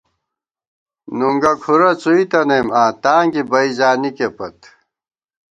نُونگہ کھورہ څُوئی تنئیم آں تاں کی بئی زانِکے پت